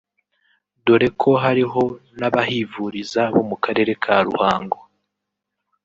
dore ko hariho n’abahivuriza bo mu Karere ka Ruhango